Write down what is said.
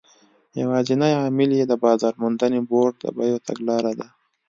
یوازینی عامل یې د بازار موندنې بورډ د بیو تګلاره ده.